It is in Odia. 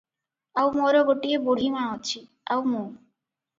ଆଉ ମୋର ଗୋଟିଏ ବୁଢ଼ୀ ମା ଅଛି, ଆଉ ମୁଁ ।